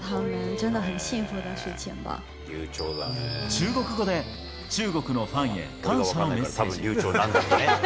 中国語で中国のファンへ感謝のメッセージ。